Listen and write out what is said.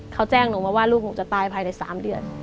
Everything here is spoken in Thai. เขาแจ้งหนูมาว่าลูกหนูจะตายภายใน๓เดือน